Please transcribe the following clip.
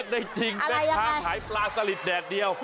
ได้จริงแม่ค้าขายปลาสลิดแดดเดียว